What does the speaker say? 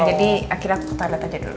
jadi akhirnya aku ketarlet aja dulu